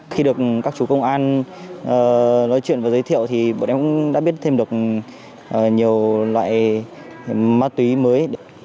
khi được các chú công an nói chuyện và giới thiệu thì bọn em cũng đã biết thêm được nhiều loại ma túy mới